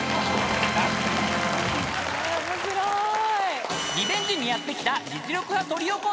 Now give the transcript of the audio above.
面白い。